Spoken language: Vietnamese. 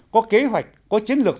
có kế hoạch có chiến lược